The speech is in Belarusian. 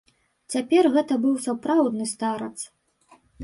Цяпер гэта быў сапраўдны старац.